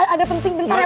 ada penting bentar ya pak